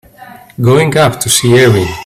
Going up to see Erin.